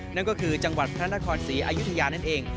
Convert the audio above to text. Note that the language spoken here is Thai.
นั่นก็คือจังหวัดพระนครศรีอายุทยานั่นเอง